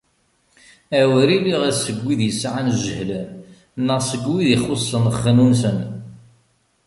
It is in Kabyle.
A wer iliɣ seg wid yesɛan jehlen neɣ seg wid ixuṣṣen xnunesen.